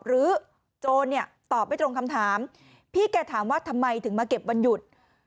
โจรเนี่ยตอบไม่ตรงคำถามพี่แกถามว่าทำไมถึงมาเก็บวันหยุด